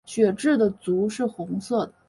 血雉的足是红色的。